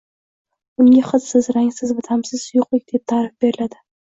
Unga hidsiz, rangsiz va ta’msiz suyuqlik deb ta’rif beriladi